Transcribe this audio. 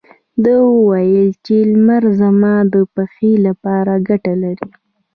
ده وويل چې لمر زما د پښې لپاره ګټه لري.